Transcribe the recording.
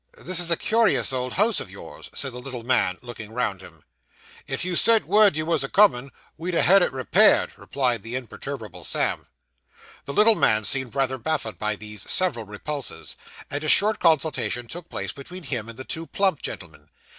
'This is a curious old house of yours,' said the little man, looking round him. 'If you'd sent word you was a coming, we'd ha' had it repaired;' replied the imperturbable Sam. The little man seemed rather baffled by these several repulses, and a short consultation took place between him and the two plump gentlemen.